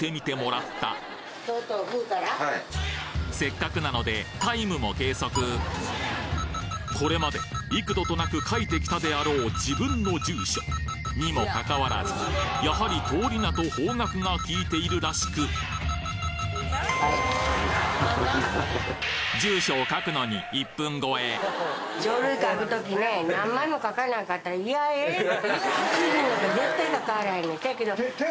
せっかくなのでタイムも計測これまで幾度となく書いてきたであろう自分の住所にもかかわらずやはり通り名と方角がきいているらしく住所を書くのに１分超えせやけど。